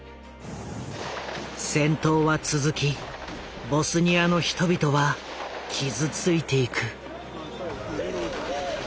戦闘は続きボスニアの人々は傷ついていく。